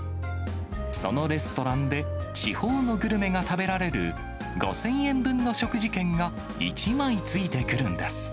そのレストランで地方のグルメが食べられる、５０００円分の食事券が１枚付いてくるんです。